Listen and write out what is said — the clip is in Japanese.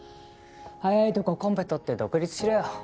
早いとこコンペとって独立しろよ。